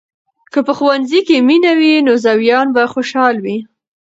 که په ښوونځي کې مینه وي، نو زویان به خوشحال وي.